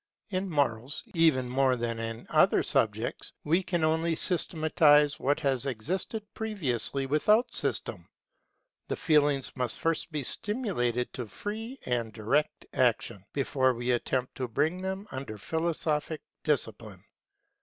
In morals, even more than in other subjects, we can only systematize what has existed previously without system. The feelings must first be stimulated to free and direct action, before we attempt to bring them under philosophic discipline.